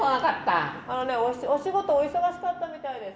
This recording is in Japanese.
お仕事お忙しかったみたいです。